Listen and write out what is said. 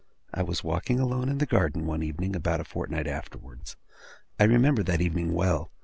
I was walking alone in the garden, one evening, about a fortnight afterwards. I remember that evening well.